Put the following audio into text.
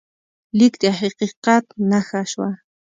لیک د حقیقت نښه شوه.